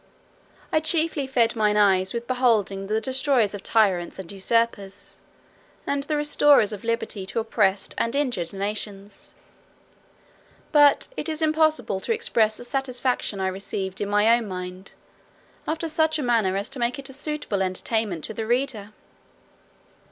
I chiefly fed my eyes with beholding the destroyers of tyrants and usurpers, and the restorers of liberty to oppressed and injured nations. But it is impossible to express the satisfaction I received in my own mind, after such a manner as to make it a suitable entertainment to the reader.